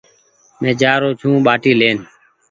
مين جآرو ڇون ٻآٽي لين ۔